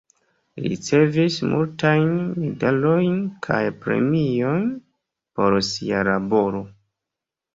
Li ricevis multajn medalojn kaj premiojn por sia laboro.